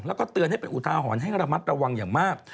แล้วก็เตือนให้เป็นอุทาหรณ์ให้ระมัดระวังอย่างมาก